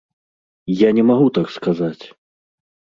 Я не магу так сказаць!